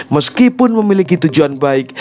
meskipun memiliki tujuan baik